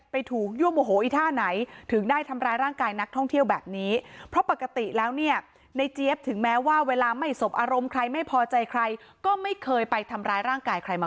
ไปทำร้ายร่างกายใครมาก่อน